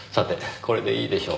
これでいいでしょう。